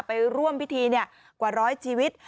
ไปร่วมพิธีกว่าร้อยชีวิต